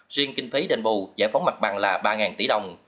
riêng kinh phí đền bù giải phóng mặt bằng là ba tỷ đồng